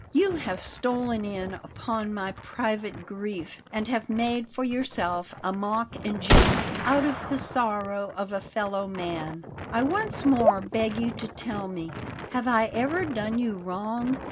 You have stolen in upon my private grief and have made for yourself a mock and a jest out of the sorrow of a fellow man. I once more beg you to tell me: Have I ever done you wrong?